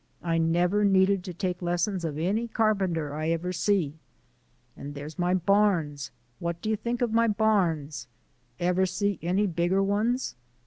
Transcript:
I never needed to take lessons of any carpenter I ever see. And there's my barns. What do you think o' my barns? Ever see any bigger ones?